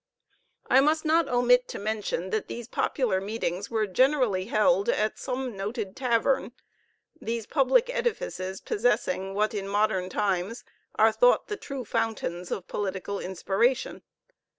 I must not omit to mention that these popular meetings were generally held at some noted tavern; these public edifices possessing what in modern times are thought the true fountains of political inspiration.